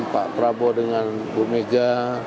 pak prabowo dengan bumega